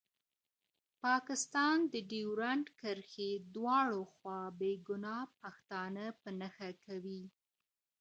پاکستان د ډیورنډ کرښې دواړو خوا بې ګنا پښتانه په نښه کوی.